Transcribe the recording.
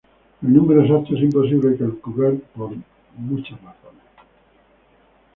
El número exacto es imposible de calcular por muchas razones.